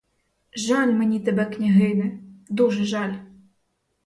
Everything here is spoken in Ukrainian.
Жаль мені тебе, княгине, дуже жаль!